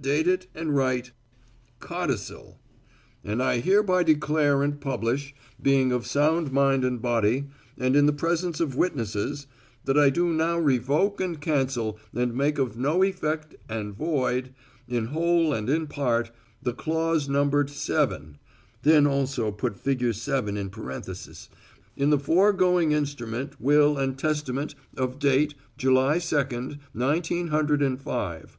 "Date it and write: Codicil. And I hereby declare and publish, being of sound mind and body, and in the presence of witnesses, that I do now revoke and cancel and make of no effect and void, in whole and in part, the clause numbered seven then put also figure seven in parenthesis in the foregoing instrument, will and testament of date July second, nineteen hundred and five.